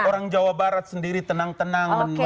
orang jawa barat sendiri tenang tenang menerima beliau